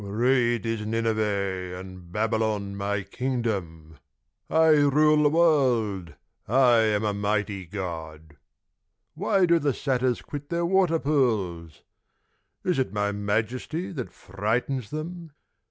—and Babylon my Kingdom, I rule the world. 1 am a mighty God. Why do the satyrs quit their water pools ? my majesty that frightens them